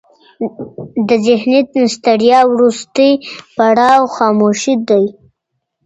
د ذهني ستړیا وروستی پړاو خاموشي دی.